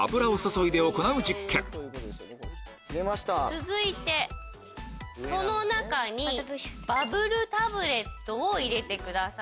続いてその中にバブルタブレットを入れてください。